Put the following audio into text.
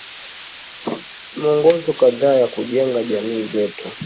Ni miongozo kadhaa ya kujenga jamii zetu